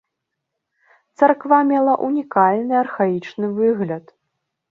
Царква мела ўнікальны архаічны выгляд.